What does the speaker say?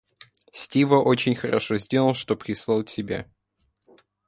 Стива очень хорошо сделал, что прислал тебя.